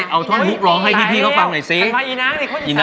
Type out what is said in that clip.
เอาท่อนลูกหลอกให้พี่เค้าฟังหน่อยซิ